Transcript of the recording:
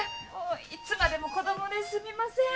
いつまでも子供ですみません。